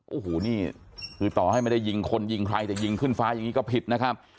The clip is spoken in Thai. โอ้โหนี่คือต่อให้ไม่ได้ยิงคนยิงใครแต่ยิงขึ้นฟ้าอย่างนี้ก็ผิดนะครับ